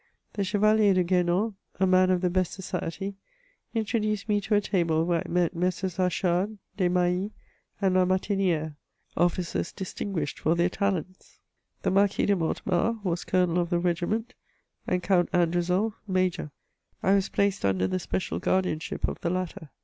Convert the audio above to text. The CheyaUer de Gu^nan, a man of the best society, intro duced me to a table, where I met Messrs. Achard, Des Mahis, and La Martini^re, officers distinguished for their talents. The Marquis de Mortemart was Colonel of the regiment, and Count Andrezel, Major; I was placed under the special guardianship of the latter.